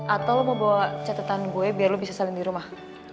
atau lo bawa catatan gue biar lo bisa saling di rumah